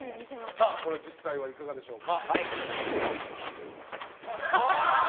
これは実際はいかがでしょうか？